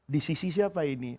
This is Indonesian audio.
di sisi siapa ini